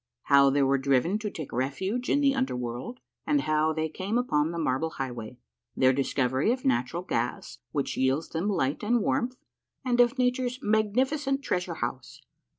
— HOW THEY WERE DRIVEN TO TAKE REFUGE IN THE UNDER WORLD, AND HOW THEY CAAIE UPON THE MARBLE HIGHWAY. — THEIR DISCOVERY OF NATURAL GAS WHICH YIELDS THEM LIGHT AND WARMTH, AND OF NA TURE'S MAGNIFICENT TREASURE HOUSE.